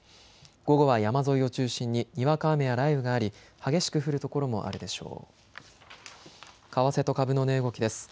午後は山沿いを中心ににわか雨や雷雨があり激しく降る所もあるでしょう。